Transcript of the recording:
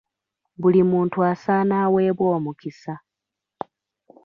Buli muntu asaana aweebwe omukisa.